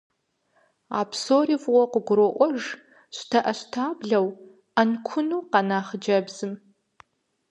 А псори фӏыуэ къыгуроӏуэж щтэӏэщтаблэу, ӏэнкуну къэна хъыджэбзым.